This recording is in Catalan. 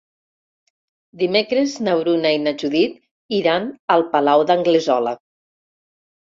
Dimecres na Bruna i na Judit iran al Palau d'Anglesola.